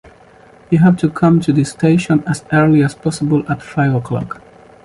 You have to come to the station as early as possible at five o'clock.